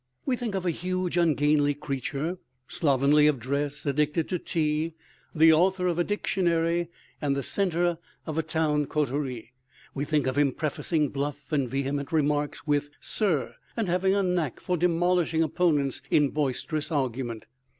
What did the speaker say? We think of a huge ungainly creature, slovenly of dress, addicted to tea, the author of a dictionary and the center of a tavern coterie. We think of him prefacing bluff and vehement remarks with "Sir," and having a knack for demolishing opponents in boisterous argument.